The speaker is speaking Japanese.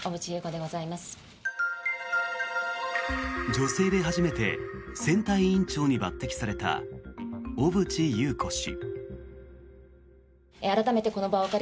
女性で初めて選対委員長に抜てきされた小渕優子氏。